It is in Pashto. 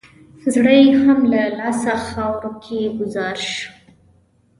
زړه یې هم له لاسه خاورو کې ګوزار شو.